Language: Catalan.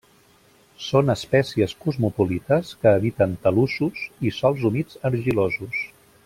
Són espècies cosmopolites que habiten talussos i sòls humits argilosos.